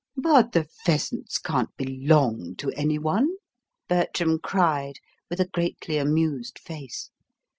"But the pheasants can't BELONG to any one," Bertram cried, with a greatly amused face.